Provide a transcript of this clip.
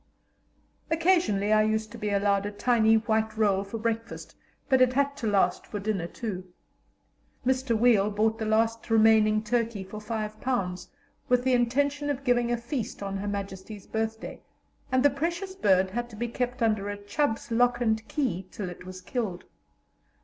Occasionally I used to be allowed a tiny white roll for breakfast, but it had to last for dinner too. Mr. Weil bought the last remaining turkey for £5, with the intention of giving a feast on Her Majesty's birthday, and the precious bird had to be kept under a Chubb's lock and key till it was killed.